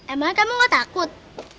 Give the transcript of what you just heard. emang kamu gak takut